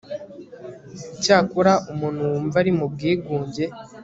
icyakora, umuntu wumva ari mu bwigunge